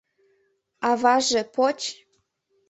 «Аваже, поч.